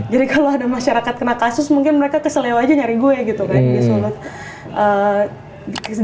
jadi kalau ada masyarakat kena kasus mungkin mereka kesel aja nyari gue gitu kan